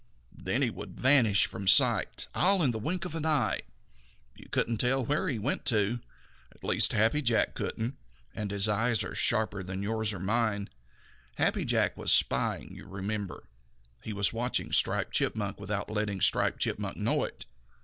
Then he would vanish from sight all in the wink of an eye. You couldn't tell where he went to. At least Happy Jack couldn't, and his eyes are sharper than yours or mine. Happy Jack was spying, you remember. He was watching Striped Chipmunk without letting Striped Chipmunk know it.